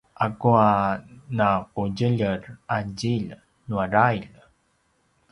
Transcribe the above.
akua naqudjeljer a djilj nua drail?